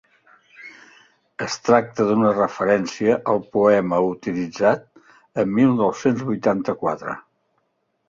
Es tracta d'una referència al poema utilitzat a "Mil nou-cents vuitanta-quatre".